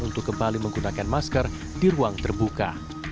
untuk kembali menggunakan masker di ruang terbuka